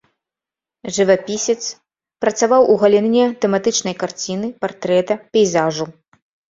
Жывапісец, працаваў у галіне тэматычнай карціны, партрэта, пейзажу.